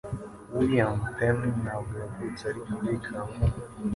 William Penn ntabwo yavutse ari Quaker.